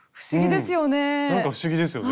なんか不思議ですよね。